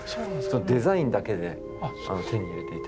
デザインだけで手に入れていて。